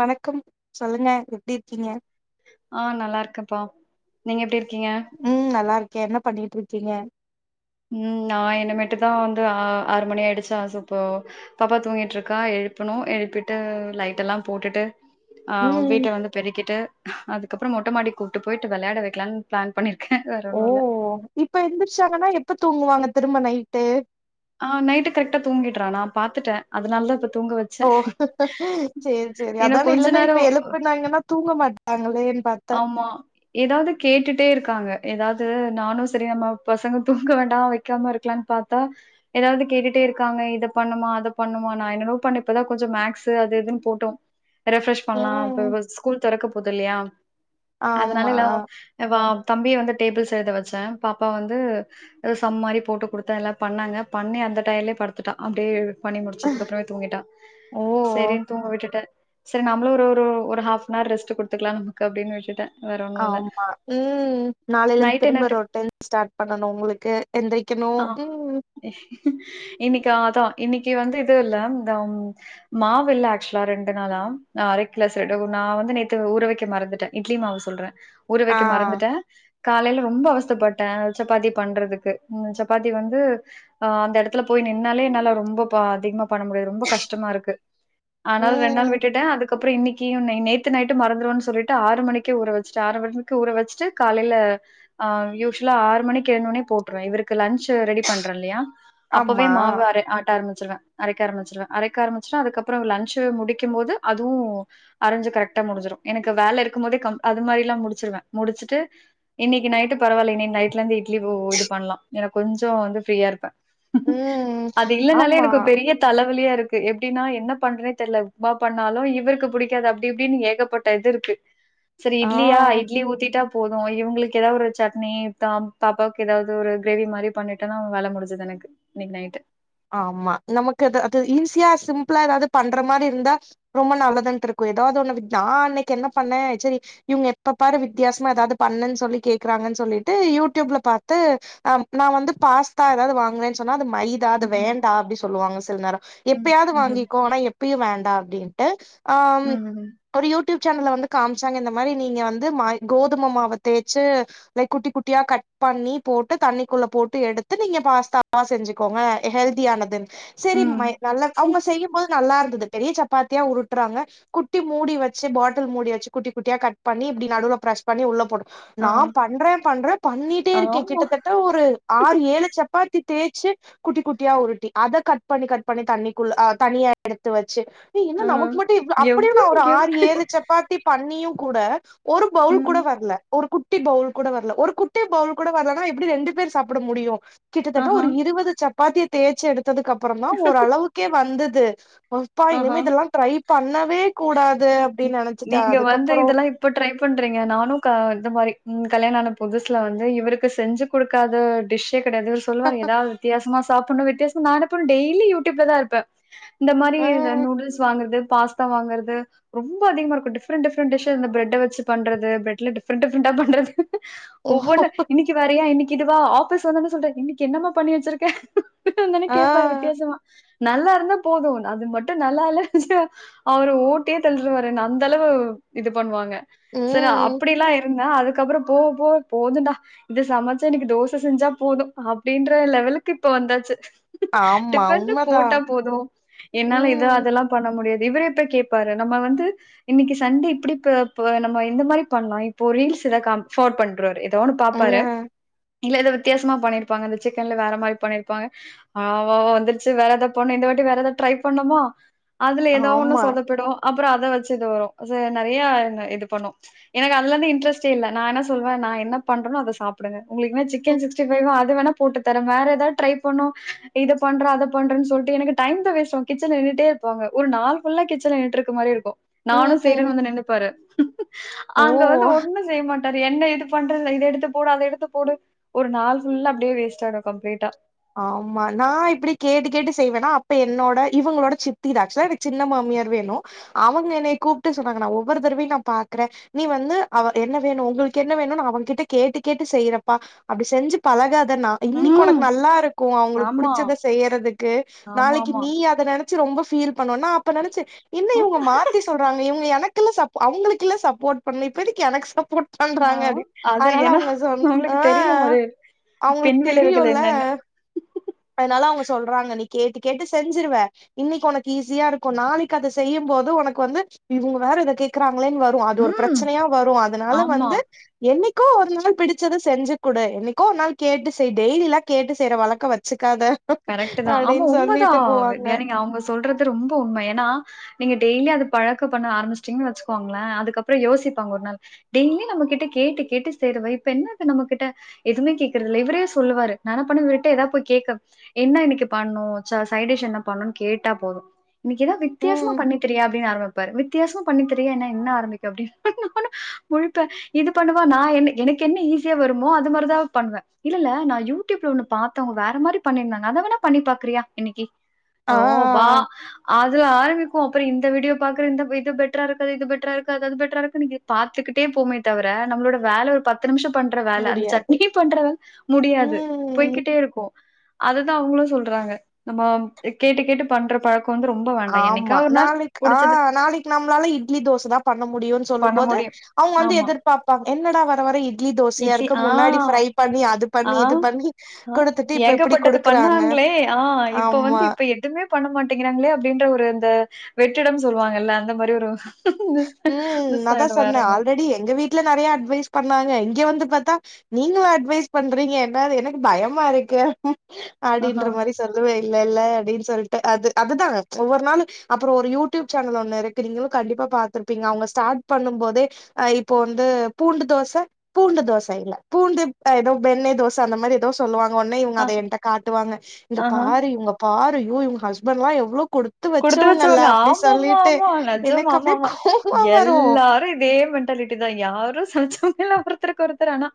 வணக்கம் சொல்லுங்க எப்டி இருக்கீங்க ஆ நல்லா இருக்கேம்பா நீங்க எப்டி இருக்கீங்க உம் நல்லா இருக்கே என்ன பண்ணிட்டு இருக்கீங்க உம நா இன்னமேட்டு தா வந்து ஆ ஆறு மணி ஆயிடுச்சா சோப்போ பாப்பா தூங்கிட்டு இருக்கா எழுப்பணு எழுப்பிட்டு லைட் எல்லா போட்டுட்டு ஆ ம் வீட்ட வந்து பெருக்கிட்டு அதுக்கப்றோ மொட்ட மாடிக்கு கூப்ட்டு போயிட்டு வெளையாட வைக்கலான் பிளான் பண்ணிருக்கே வேற ஓ ஒண்ணு இல்ல இப்ப எந்திரிச்சாங்கன்னா எப்ப தூங்குவாங்க திரும்ப நைட்டு ஆ நைட்டு கரெக்டா தூங்கிட்றானா நா பாத்துட்டே அதனால தா இப்ப தூங்க வச் ஓ சேர் சேரி ஏன்னா அதானே கொஞ்ச இல்லன்னா நேரோ இப்ப எழுப்புனாங்கன்னா தூங்க மாட் ஆமா ஏதாவது கேட்டுட்டே இருக்காங்க ஏதாது நானு செரி நம்ம பசங்க தூங்க வேண்டா வை க்காமா இருக்கலான் பாத்தா ஏதாவது கேட்டுட்டே இருக்காங்க இத பண்ணுமா அத பண்ணுமா நா என்னன்னவோ பண்ண இப்ப தா கொஞ்சோ மேக்ஸூ அது இதுன்னு போட்டோ ரெஃப்ரெஷ் பண்ணலா இப்ப ம் இவ ஸ்கூல் தெறக்க போது இல்லையா ஆமா அதனால எல்லா எவா தம்பிய வந்து டேபிள்ஸ் எழுத வச்சே பாப்பா வ வந்து எதோ சம் மாரி போட்டு கொடுத்தே எல்லா பண்ணாங்க பண்ணி அந்த டையல்யே பாத்துட்டா அப்டியே பண்ணி முடிச்சதுக்கு அப்றோமே தூங்கிட்டா ஓ செரின் தூங்க விட்டுட்டே செரி நம்மளு ளுரு ளுரு ஒரு அஃப் நா ரெஸ்ட் குடுத்தறலா நமக்கு அப்டினு விட்டுடே ஆமா உம் நாளையிலிருந்து நைட் என்ன திரும்ப டிஃப் ரோட்டின் ஸ்டார்ட் பண்ணணு உங்களுக்கு எந்தெறிக்கணு உ இன்னிக்கு ஆதா இன்னிக்கு வந்து இது இல்ல தவ் மாவு இல்ல ஆக்சுவுலா ரெண்டு நாளா நா அரைக்கல்ல செர்டவுன் நா வந்து நேத்து ஊற வைக்க மறந்துட்டே இட்லி மாவு சொல்றே ஊற ஆ வைக்க மறந்துட்டே காலையில ரொம்ப அவஸ்தப்பட்டே சப்பாத்தி பண்றதுக்கு உம் சப்பாத்தி வந்து ஆ அந்த எடத்துல போய் நின்னாலே என்னால ரொம்ப பா அதிகப் பண்ண முடியாது ரொம்ப கஷ்டமா இருக்கு ஆனால் ரெண்டு நாள் ம் விட்டுட்டே அதுக்கப்றோ இன்னைக்கியுன்னு நேத்து நைட்டு மறந்துறுவேன்னு சொல்லிட்டு ஆறு மணிக்கு ஊற வச்சிட்டே ஆறு மணிக்கு ஊற வச்சிட்டு காலையில்ல ஆ யூஷுல்லா ஆறு மணிக்கு எந்னோனே போட்டுவே இவருக்கு லஞ்சு ரெடி பண்றே இல்லையா அப்பவே ஆமா மாவு அர ஆட்ட ஆரம்பிச்சிருவே அரைக்க ஆரம்பிச்சிருவே அரைக்க ஆரம்பிச்சுட்டா அதுக்கப்றோ லஞ்சு முடிக்கும்மோது அதுவு அரைஞ்சு கரெக்டா முடிஞ்சிடு எனக்கு வேல இருக்கும்போதே கம் அது மாரி எல்லா முடிச்சிருவே முடிச்சுட்டு இன்னிக்கு நைட்டு பரவாயில்ல இன்னைக்கு நைட்லயிருந்து இட்லி இது பண்ணலா ஏன்னா கொஞ்சோ வந்து ஃப்ரீயா இருப்பே ம் அது இல்லன்னாலே ஆமா எனக்கு ஒரு பெரிய தலவலியா இருக்கு எப்டின்னா என்ன பண்றேனே தெரில உப்மா பண்ணாலு இவருக்கு புடிக் அப்டி இப்டின்னு ஏகப்பட்ட இது இருக்கு செரி இட்லியா ஆ இட்லி ஊத்திட்டா போது இவங்களுக்கு ஏதா ஒரு சட்னி பாப்பாவுக்கு எதாவது ஒரு கிரேவி மாரி பண்ணிட்டேன்னா வேல முடிஞ்சிது எனக்கு இன்னிக்கு நைட்டு ஆமா நமக்கு அது அது ஈஸியா சிம்பிளா எதாவது பண்ற மாரி இருந்தா ரொம்ப நல்லதுன்ட்டு இருக்கு எதாவ்து ஒன்னு நா அன்னைக்கு என்ன பண்ணே செரி இவுங்க எப்ப பாரு வித்தியாசமா எதாவது பண்ணுன்னு சொல்லி கேக்குறாங்கன்னு சொல்லிட்டு யூடியூப்ல பாத்து நா வந்து பாஸ்தா எதாவது வாங்குனேனு சொன்னா அது மை தா அது ம்ஹ்ம். வேண்டா அப்டி சொல்லுவாங்க சில நேரே ம். எப்பயாது ம்ஹ்ம். வாங்கிக்கோ ஆனா எப்பயு வேண்டா அப்டின் ஆ ம்ஹ்ம். ஒரு யூடியூப் சேனல்ல வந்து காம்சாங்க இந்த மாரி நீங்க வந்து மை கோதும மாவ தேச்சு லைக் குட்டி குட்டியா கட் பண்ணி போட்டு தண்ணிக்குள்ள போட்டு எடுத்து நீங்க பாஸ்தாவா செஞ்சுக் க்கோங்க ஹெல்தியானது செரி மை ம். நல்ல அவுங்க செய்யும்போது நல்லா இருந்துது பெரிய சப்பாத்தியா உருட்டுறாங்க குட்டி மூடி வெச்சு பாட்டில் மூடி வெச்சு குட்டி குட்டியா கட் பண்ணி இப்டி நடுவுல பிரஸ் பண்ணி உள்ள போடு ஆ. நா பண்ற பண்ற பண்ணிட்டே இருக்க ஆமா. கிட்டத்தட்ட ஒரு ஆறு ஏழு சப்பாத்தி தேச்சு குட்டி குட்டியா உருட்டி அத கட் பண்ணி கட் பண்ணி தண்ணிக்குள்ள ஆ தனியா எடுத்து வெச்சு ஏய் என்ன ஆ நமக்கு மட்டு இவ்ளோ அப்டியே எவ்ளோ நா ஒரு எவ் ஆறு ஏழு சப்பாத் தி பண்ணியு கூட ஒரு பவுல் ம். கூட வரல ஒரு குட் ட்டி பவுல் கூட வரல ஒரு குட்டி பவுல் கூட வரலனா எப்டி ரெண்டு பேரு சாப்ட முடியு கிட்டத்தட்ட ஆஹா. ஒரு இருவது சப்பாத்திய தேச்சு எடுத்ததுக்கு அப்றோ தா ஓரளவுக்கே வந்துது அப்பா ஆஹா. இனிமே இதெல்லா ட்ரை பண்ணவே கூடாது ம். அப்டின்னு நெனச்சுட்ட நீங்க வந்து அதுக்கப்பறோ இதெல்லாம் இப்ப ட்ரை பண்றீங்க நானு இந்த மாரி கல்யாண ஆனா புதுசுல வந்து இவருக்கு செஞ்சு குடுக்காத டிஷ்யே கெடையாது சொல்லுவாரு எதாவது வித்தியாசமா சாப்டுனு வித்தியாசமா நா என்ன பண்ணுவ டெய்லி யூடுயூப்ல தா இருப்ப இந்த மாரி ஆ நா நூடுல்ஸ் வாங்கறது பாஸ்தா வாங்கறது ரொம்ப அதிகமா இருக்கு டிஃப்ரெண் டிஃப்ரெண்டு டிஷ் இந்த பிரெட்ட வெச்சு பண்றது பிரட்ல டிஃப்ரெண் டிஃப்ரெண்டா பண்றது ஒவ்வொன்னு இன்னிக்கு வேறயா இன்னிக்கு இதுவா ஆபீஸ் வந்தன்னு சொல்லிட்டாரு இன்னிக்கு என்னமா பண்ணி வெச்சிருக்க விட்டுட்டு வந்தனோய ஆ கேப்பாரு வித்தியாசமா நல்லா இருந்தா போது அது மட்டு ட்டு நல்லால்ல வெச்சுகோ அவரு ஓட்டியே தள்ருவாரு அந்த அளவு இது பண்ணுவாங்க செரி ம் அப்டிலா இருந்த அதுக்கப்றோ போவ போவ போதுன்டா இத சமச்சா இன்னிக்கு தோச செஞ்சா போது அப்டின்ற லெவலுக்கு இப்ப வந்தாச்சு ஆமா டிஃபனு உண்மதா போட்டா போது என்னால இது ம் அதல்லா பண்ண முடியாது இவரே இப்ப கேப்பாரு நம்ம வந்து இன்னிக்கு சண்டே இப்டி ப ப நம்ம இந்த மாரி பண்லா இப்போ ரீல்ஸ் எதா காம் ஃபார்வேட் பண்றுவாரு ஏதோ ஒன்னு ஆ பாப்பாரு இல்ல வித்தியாசமா பண்ணிருப்பாங்க இந்த சிக்கன்ல வேற மாரி பண்ணிருப்பாங்க ஆ வா வா வந்துருச்சு வேற எதாவ்து பண்ணு இந்த வாட்டி வேற எதாவ்து ட்ரை பண்ணுமா அதுல எதா ஒண்ணு ஆமா சொதப்பிரு அப்றோ அத வெச்சு இது வரு நெறையா இது பண்ணு எனக்கு அதுலேயிருந்தே இன்ரெஸ்டே இல்ல நா என்ன சொல்வே நா என்ன பண்றனோ அத சாப் டுங்க உங்களுக்கு என்ன சிக்கன் சிக்ஸ்டிபைவா அது வேணா போட்டுதர வேற எதாவது ட்ரை பண்ணு இத பண்ற அத பண்றனு சொல்லிட்டு எனக்கு டைம்தா வேஸ்ட் ஆகு கிச்சன்ல நின் ட்டே இருப்பாங்க ஒரு நாள் ஃபுல்லா கிச்சன்ல நின்னுட்டுருக்குற மாரி இருக்கு நானு செய்யறேன்னு ம் வந்து நின்னுப்பாரு அங்க வந்து ஓ ஒன்னு செய்ய மாட் டாரு என்ன இது பண்றது த இது எடுத்து போடு அத எடுத்து போடு ஒரு நாள் ஃபுல்லா அப்டியே வேஸ்ட் ஆயிடு கம்ப்ளீட்டா. ஆம்மா நா இப்டி கேட்டு கேட்டு செய்வேனா அப்ப என்னோட இவுங்களோட சித்தி இது ஆக்சுலா எனக் சின்ன மாமியார் வேணு. அவுங்க என்னைய கூப்ட்டு சொன்னாங்க நா ஒவ்வொரு தடவயு நா பாக்றே. நீ வந்து அவ என்ன வேணு உங்குளுக்கு என்ன வேணுன் அவங்கிட்ட கேட்டு கேட்டு செய்றப்பா. அப்டி செஞ்சி பழகாதன்னா இன்னிக்கு உனக்கு ம். நல்லாருக்கு அவுங்களுக் ஆமா. புடிச்சத செய்யறதுக்கு நாளைக்கு ஆமாமா. நீ யி அத நெனச்சு ரொம்போ ஃபீல் பண்ணுவன்னா அப்ப நெனச்சே என்ன இவுங்க மா த்தி சொல்றாங்க இவுங்க எனக்குல்ல சப் அவுங்களுக்கில்ல சப்போட் பண்ணு இப்ப எதுக்கு எனக் சப்போட் ஆ பண்றாங்க அப்டி அது அதனால ஏன்னா, அவுங்க சொன் உங்களுக்கு அ தெரியும் அது பின் அவுங்குளுக் தெரியு விளைவுகள் இல்ல. என்னன்னு. அதுனால அவுங்க சொல்றாங்க நீ கேட்டு கேட்டு செஞ்சிருவ இன்னிக்கி ஒனக்கு ஈஸியா இருக்கு நாளக்கு அத செய்யுமா போது ஒனக்கு வந்து இவுங்க வேற இத கேக்குறாங்களேன் வ ரு அது ஒரு ம். பிரச்சனயா வரு அதனால ஆமா. வந்து என்னைக்கோ ஒரு நாள் பிடிச்சத செஞ்சு குடு என்னைக்கோ ஒரு நாள் கேட்டு செய் டெய்லிலா கேட்டு செய்ற வழக்கோ வ ச்சுக்காத. கரெக்ட் தா ஆமா உண்மதா வித்யா நீங்க அவுங்க சொல்றது ரொம்ப உண்ம ஏனா நீங்க டெய்லி அது பழக்க பண்ண ஆரம்ச்சிட்டிங்கன் வெச்சுக்கோங்ளே அதுக்கப்றோ யோசிப்பாங்க ஒரு நாள் டெய்லி நம்ம கிட்ட கேட்டு கேட்டு செய்றவ இப்ப என்ன இது நம்ம கிட்ட எதுமே கேக்குறது இல்ல இவுரே சொல்லுவாரு நா என்னா பண்ண இவுருட்ட எதா போய் கேக்கவ் என்னா இன்னிக்கி பண்ணு ச சைடிஷ் என்ன பண்ணுன் கேட்டா போது. இன்னக்கி எதா வித்தியாசமா ம் பண்ணி தரியா அப்டினு ஆரமிப்பாரு வித்தியாசோ பண்ணி தரியானா என்னா ஆரம்பிக்க அப்டி நானு முழிப்பே. இது பண்ணுவா நா என்ன எனக்கென்ன ஈஸியா வருமோ அது மாரிதா பண்ணுவே இல்லல்ல நா யூ டியூப்ல ஒண்ணு பத்தே அவுங்க வேற மாரி பண்ணிருந்தாங்க அத வேணா பண்ணி பாக்றியா இன்னிக்கி ஆ ஆ ஓ பா ஆ அதுல ஆரமிக்கு அப்றோ இந்த வீடியோ பாக்ற இந்த இது பெட்ரா இருக்கா இது பெட்ரா இருக்கா அது அது பெட்ராருகானு எ பாத்துக்கிட்டே போமே தவர நம்ளோட வேல ப த்து நிம்ஷோ பண்ற வேல அந்த முடியாது சட்னிக்கே பண்ற வேல் முடியாது ம் போய்கிட்டேருக்கு. அதுதா அவுங்களு சொல்றாங்க நம்மோ கேட்டு கேட்டு பண்ற பழக்கோ வந்து ரொம் ஆமா நாளைக் ஆ நாளைக்கி நம்ளால இட்லி தோசதா பண்ண முடியுன் சொல்லும் பண்ண போது முடியும். அவுங்க வந்து ஆமா. எதிர்பாப்பாங் என்னடா வர வர இட்லி இட்லி தோசயாருக்கு ஆ, முன்னாடி ஃப்ரை பண்ணி அதுப் ஆ அ ஏகப்பட்டது குடுக்குறாங்க பண்ணாங்ளே ஆ இப்ப வந்து ஆமா இப்ப எ துமே பண்ண மாட்டிங்கிறாங்களே அப்டின்ற ஒரு அந்த வெற்றிடம் சொல்வாங்கல்ல அந்த மாரி ஒரு மிஸ் ம் மிஸ் அதா ஆயிடும் வேற சொன்னே ஒண்ணும் இல்ல. ஆல்ரெடி எங்க வீட்ல நெறைய அட்வைஸ் பண்ணாங்க இங்க வந்து பாத்தா நீங்க ஒரு அட்வைஸ் பண்றீங்க என்னாது எனக் பயமாருக்கே ஆஹா, அப்டின்ற மாரிஸ் சொல்லுவே இல்லல்ல அப்டின் சொல்ட்டு அது அதுதா ஒவ்வொரு நாளு அப்றோ ஒரு யூடியூப் சேனல் ஒன்னுருக்கு நீங்குளு கண்டிப்பா பா த்துருப்பீங்க அவுங்க ஸ்டாட் பண்ணும் போதே அ இப்போ வந்து பூண்டு தோச பூண்டு தோச இல்ல பூண்டுப் அ எதோ வெண்ணை தோச அந்த மாரி தோ சொல்லுவாங்க ஒன்னே இவுங்க ஆ அத என்ட்ட காட்டுவாங்க இத ஆஹா. பாரு இவுங்கப் பாரு ஐயோ இவுங் ஹஸ்பண்லா எவ்ளோ கொடு குடுத்து வெச்சவங்க ஆமாமா ஆமா நெஜமா எனக்கு அப்டியே ஆமாமா. கோவமா வரு எல்லாரு இதே மென்ட்டாலிட்டிதா யாரு சளிச்சவங்க இல்ல ஒர்த்தர்க்கு ஒர்த்தர் ஆனா.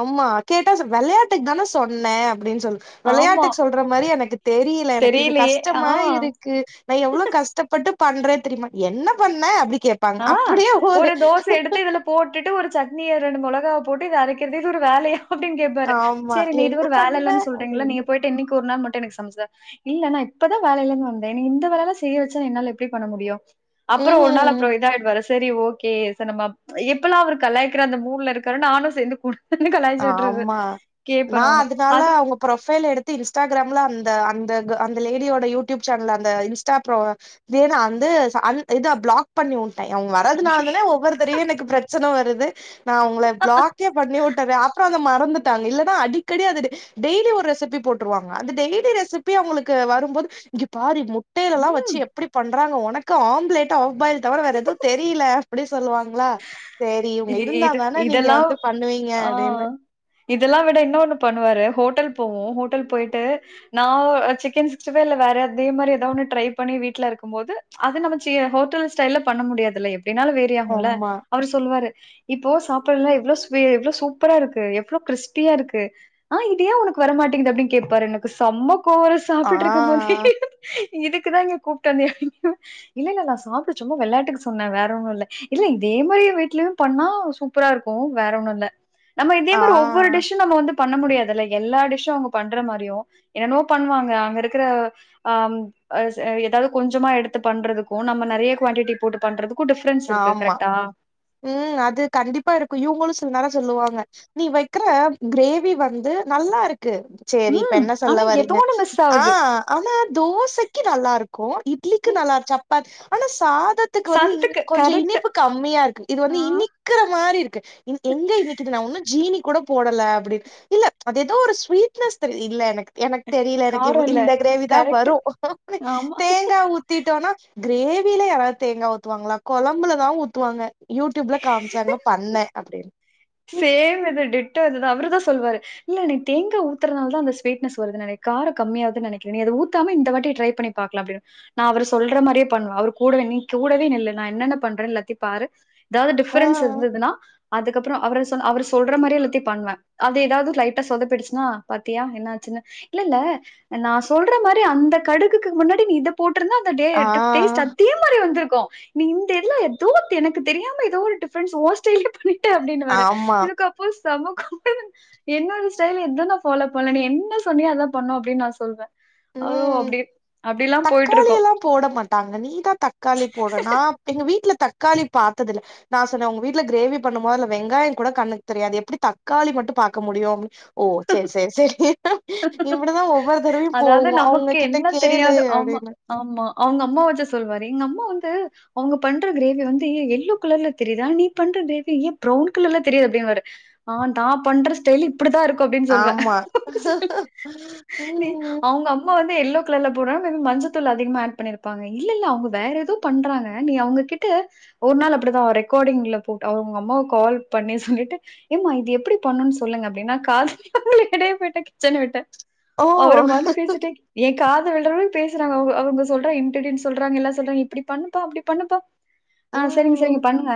ஆமா கேட்டாஸ் வெளையாட்டுக் தான சொன்னே அப்டின் சொல் ஆமா. வெளையாட்டுக் சொல்ற மாரி எனக்கு தெரில எனக்கு இது தெரியலையே! கஷ்டமா ஆ. இருக்கு நா எவ்ளோ கஷ்டப் பட்டு பண்றே தெரிமா என்ன பண்ண அப்டி கேப்பாங்க ஆ அப்படியே ஒரு தோச எடுத்து இதுல போட்டுட்டு ஒரு சட்னிய ரெண்டு மொளகாவ போட்டு இத அரைக்கிறது இது ஒரு வேலயா அப்டின் கேப்பாரு ஆமா செரி நீ இது என்ன ஒரு வேல பண்ண இல்லனு சொல்றீங்ள நீங்க அப்டின்னு போய்ட்டு இன்னக்கி ஒரு நாள் மட்டு எனக்கு சமச்சிதர இல்ல நா இப்பதா வேலலேந் வந்தே இந்த வேலலா செய்ய வெச்சா என்னால எப்டி பண்ண முடியு அப்பறோ ஒரு நாள் அ ம் வர செரி ஓகே சேர் நம்ம எப்பல்லா அவரு கலாயிக்கிற அந்த மூட்ல இருக்காரோ நானு சேந்து கூட [unintelligible] கலாய்ச்சி விட்றது ஆமா கேப்ப நா நானு அதனால அது அவங்க ப்ரொஃபைல் எடுத்து இன்ஸ்டாகிராம்ல அந்த அந்த அங் அந்த லேடியோட யூடியூப் சேனல்ல அந்த இன்ஸ்டா ப்ரோ இதே நா வந்து சா அன் இத ப்ளாக் பண்ணி உட் ட்ட அவுங்க வரறதுனாலதானே அய்யய்யோ ஒவ்வொருத்தரையு எனக்கு ப்ரெச்சன வருது நா அவுங்கள ப்ளாக்கே பண்ணி வுட் டனே அப்ரோ அத மறந்துட்டாக இல்லனா அடிக்கடி அது டெய்லி ஒரு ரெசிபி போட்ருவாங்க அந்த டெய்லி ரெசிப் பி அவுங்களுக்கு வரும்போது இங்க பாரு முட்டேலலா வச்சு எப் பிடி பண்றாங்க உனக்கு ஆம்ப்லேட்டு ஆஃப் பாயில் தவிர வேற எதுவு தெரியில அப்பிடி சொல்லுவாங்களா சேரி இவுங்க இருந்தா இது தான நீங்க இதெல்லா வந்து பண்ணுவீங்க ஆ அப்டின்னு இதெல்லா விட இன்னொண்ணு பண்ணுவாரு ஹோட்டல் போவோ ஹோட்டல் போய்ட்டு நா ஒ சிக்கன் சிக்ஸ்டி ஃபை இல்ல வேற அதே மாரி எதா ஒன்னு ட்ரை பண்ணி வீட்ல இருக்கும்போது அது நம்ம சே ஹோட்டல் ஸ்டைல்ல பண்ண முடியாதுல்ல எப்டினாலு வேறி ஆகுல ஆமா அவுரு சொல்லுவாரு இப்போ சாப்பறதுலா எவ்ளோ எவ்ளோ சூப்பரா இருக்கு எவ்ளோ க்ரிஸ்பியா இருக்கு ஆ இது ஏ உனக்கு வரமாட்டேங்கிது அப்டின் கேப்பாரு எனக்கு சம்ம கோவ்வரு ஆ சாப்டுட்ருக்கும்போது இதுக்குதா என்னய கூப்ட்டாந்தியா அப்டின்னுவ இல்ல இல்ல நா சாப்டு சும்மா வெளாட்டுக்கு சொன்ன வேற ஒன்னு இல்ல இல்ல இதே மாரி வீட்லயு பண்ணா சூப்பரா இருக்கு வேற ஒன்னு இல்ல நம்ம இதே ஆ மாரி ஒவ்வொரு டிஷ் நம்ம வந்து பண்ண முடியாதுல்ல எல்லா டிஷு அவுங்க பண்ற மாரியு என்னன்னோ பண்வாங்க அங்க இருக்கிற அ ம் அ எதாவது கொஞ்சமா எடுத்து பண்றதுக்கு நம்ம நெறையா க்வாண்டிட்டி போட்டு பண்றதுக் கு டிஃப்ரென்ஸ் இருக்கு ஆமா கரெக்டா ம் அது கண்டிப்பா இருக்கு இவ்ங்களு சில் நேரோ சொல்லுவாங்க நீ வக்கற க்ரேவி வந்து நல்லா இருக்கு சேரி இப்ப ம் என்ன ஆனா சொல்ல ஏதோ வரீங்க ஒன்னு மிஸ் ஆ ஆவுது ஆனா தோசைக்கி நல்லாருக்கு இட்லிக்கு ம். நல்லா இரு சப்பாத் ஆனா சாதத் துக்கு வந்து சதத்துக்கு கொஞ்சோ கரெக்ட் இனிப்பு கம்மியா இருக்கு இது வந்து ஆ இனி க்கிற மாரி இருக்கு இந் எங்க இன்னிக்கு இது நா உன்னு ஜீனி கூட போடல அப்படினு இல்ல அது எதோ ஒரு ஸ்வீட்னஸ் தெரி இல்ல எனக்கு எனக்கு தெரியில எனக்கு இவ் காரம் இல்ல இந்த க்ரேவி தா கரெக்ட் வரு ஆமா தேங்கா ஊ ஊத்திட்டோனா க்ரேவில யாராத் தேங்கா ஊத்துவாங்களா கொழம்புலதா ஊத்துவாங்க யூடியூப்ல காம்ச்சாங்க பண்ணே அப்டினு சேம் இது டிட்டோ இதுதா அவரு தா சொல்வாரு இல்ல நீ தேங்கா ஊத்துறனால்தா அந்த ஸ்வீட்னஸ் வருது நெனக் கார கம்மியாவுதுன் நெனக்ற நீ அத ஊத்தாம இந்த வாட்டி ட்ரை பண்ணி பாக்லா அப்டினு நா அவரு சொல்ற மாரியே பண்ணு அவரு கூடவே நீ கூடவே நில்லு நா என்னென்ன பண்றே எல்லாத்தி பாரு எதாவ்து ஆ டிஃபரன்ஸ் இருந்ததுன்னா அதுக்கப்புறோ அவரு சொல்ற மாரி எல்லாத்தி பண்ணுவ அது எதாவது லைட்டா சொதப்பிடுச்சுன்னா பாத்தியா என்ன ஆச்சுன்னு இல்ல இல்ல நா சொல்ற மாரி அந்த கடுகுக்கு முன்னாடி நீ இத போட்டுருந்தா அந்த டே ஆ டேஸ்ட்டு அ தே மாரி வந்துருக்கு நீ இந்த இதுல எத்தோ எனக்கு தெரியாம எதோ ஒரு டிஃப்ரன்ஸ் உ ஸ்டைல்ல பண்ணி அப்டின்னுவாரு ஆமா. எனக்கு அப்போ செம்ம கோவ்வந்து என்னோட ஸ்டைல எத்த நா ஃபாலோ பண்ணல நீ என்ன சொன்னியோ அதா பண்ணோ அப்டின் நா சொல்வே அதுவு ம் அப்டியே அப்டிலா தக்காளி போயிட்ருக்கோ எல்லா போட மாட்டாங்க நீ தா தக்காளி போட்ற நா எங்க வீட்ல தக்காளி பாத்ததில்ல நா சொன்னே உங்க வீட்ல கிரேவி பண்ணும்போது அந்த வெங்காயங்கூட கண்ணுக்கு தெரியாது எப்டி தக்காளி மட்டு பாக்க முடியு ஓ சேரி சேரி சேரி இப்டிதா ஒவ்வொரு தடவையு அதாவ்து போகு அவுங்க நமக்கு கிட்ட என்ன கேளு தெரியாதோ ஆமா அப்டின்னு ஆமா அவுங்க அம்மா வெச்சு சொல்லுவாரு எங்கம்மா வந்து அவுங்க பண்ற கிரேவி வந்து எல்லோ கலர்ல தெரியிது ஆனா நீ பண்ற கிரேவி ஏ ப்ரவுன் கலர்ல தெரியிது அப்டின்னுவாரு ஆ நா பண்ற ஸ்டைல் இப்டித்தா இருக்கு அப்டின் சொல்லுவே ஆமா [inaudible] நீ அவுங்கம்மா வந்து எல்லோ கலர்ல போட்றா மே பி மஞ்சத்தூள் அதிகமா ஏட் பண்ணிருப்பாங்க இல்லல்ல அவுங்க வேற எதோ பண்றாங்க நீ அவுங்ககிட்ட ஒரு நாள் அப்டிதா அவர் ரெக்கார்டிங்ல போட்டு அவர் அவ்ங்கம்மாக் கால் பண்ணி சொல்லிட்டு ஏம்மா இது எப்பிடி பண்ணு சொல்லுங்க அப்டின்னா காதுலயே [unintelligible] ஓடியே போயிட்டங்க செரின் விட்டே ஓ அவரு பாட்ல பேசிட்டே எ காதுல விளட்றளவு பேசுறாங்க அவுங்க அவுங்க சொல்றா இன்டிடின்ஸ்ன் சொல்றாங்க எல்லா சொல்றாங்க இப்டி பண்ணுப்பா அப்டி பண்ணுப்பா ஆ செரிங் ம் செரிங் பண்ணுங்க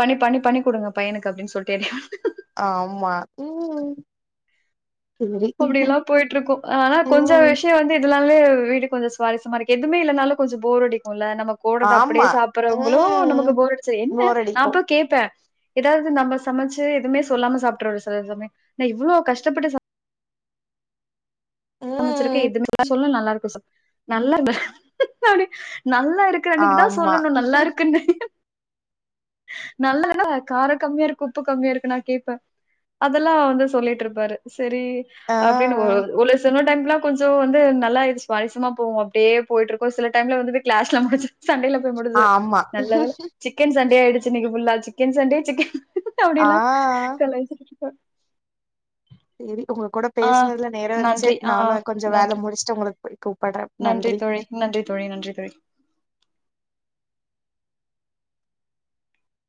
பண்ணி பண்ணி பண்ணி குடுங்க பையனுக்கு அப்டின் சொல்லிட்டு [unintelligible] ஆமா ம் சேரி அப்டில்லா போயிட்டு இருக்கு ஆனா கொஞ்ச ம் விஷ்ய வ இதனாலே வீடு கொஞ்சோ சுவாரிசமா இருக்கு எதுமே இல்லேனாலு கொஞ்ச போர் அடிக்குல்ல நமக்கு கோட்றது அப்டியே ஆமா சாப்பறவங்களு நமக்கு ம் போர் அடிச்சா என்ன போர் நா அடிக்கு போயி கேப்பே எதாவ்து நம்ம சமைச்சு எதுவுமே சொல்லாம சாப்ட்ற ஒரு [unintelligible] நா இவ்ளோ கஷ்டப்பட்டு ச சமைச்சிருக்க ம் எதுமே [inaudible] நல்லா இருக்கு சொல்லு நல்லால்ல அப்டி நல்லா இரு க்க அன்னைக்குதா ஆமா சொல்லணு நல்லா இருக்குன்னு நல்லால்ல கார கம்மியா இருக்கு உப்பு கம்மியா இருக்கு நா கேப்பே அதெல்லா வந்து சொல்லிட்ருப்பாரு செரி அப்டினு ஆ ஒரு ஒரு இன்னோர் டைம்லா கொஞ்சோ வந்து நல்லா இது சுவாரிசமா போகு அப்டியே போயிட்ருக்கு சில டைம்ல வந்து க்ளாஸ்ல முடிச்சி சண்டைல போய் முடிஞ்சிரு ஆமா நல்லவேல சி க்கன் சண்டே ஆயிடுச்சி இன்னைக்கு ஃபுல்லா சிக்கன் சண்டே சிக்கன் ஆ அப்டில்லா கலாய்ச்சு [unintelligible] சேரி உங்க கூட ஆ பேசினதுல நேரோ ஆருச்சு நன்றி. ஆ நாம கொஞ்ச வேல நன்றி. முடிச்சிட்டு உங்களுக்கு [unintelligible] கூப்பட்றே நன்றி தோழி நன்றி தோழி நன்றி தோழி